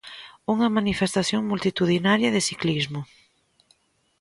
Unha manifestación multitudinaria de ciclismo.